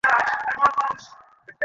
বলে সবিনয়ে কৃপাপ্রার্থীর মতো।